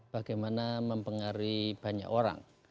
bagaimana mempengaruhi banyak orang